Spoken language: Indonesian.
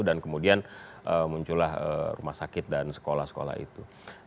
dan kemudian muncullah rumah sakit dan sekolah sekolah itu